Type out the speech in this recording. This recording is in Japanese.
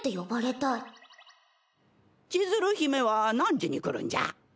千鶴姫は何時に来るんじゃ？